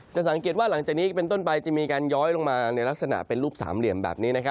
สังเกตว่าหลังจากนี้เป็นต้นไปจะมีการย้อยลงมาในลักษณะเป็นรูปสามเหลี่ยมแบบนี้